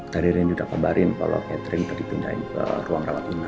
tadi raina udah kebarin kalau catherine tadi pindahin ke ruang rawat enak